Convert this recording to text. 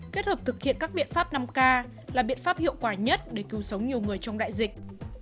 kết hợp thực hiện các biện pháp năm k là biện pháp hiệu quả nhất để cứu sống nhiều người trong đại dịch